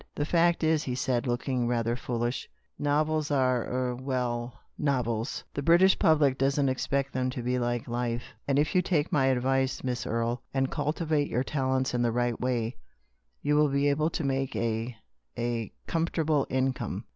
^ The fact is," he said, looking rather fool ish, "novels are — er — well — novels. The British public doesn't expect them to be like life. And if you take my advice, Miss Erie, and cultivate your talents in the right way, you will be able to make a — a — comfortable income.